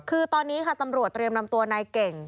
คือตอนนี้ค่ะตำรวจเตรียมนำตัวนายเก่ง